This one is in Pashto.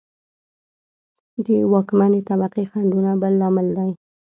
د واکمنې طبقې خنډونه بل لامل دی